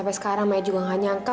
sampai sekarang maya juga gak nyangka